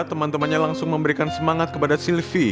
teman temannya langsung memberikan semangat kepada sylvi